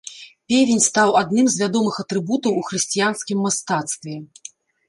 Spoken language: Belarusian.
Певень стаў адным з вядомых атрыбутаў у хрысціянскім мастацтве.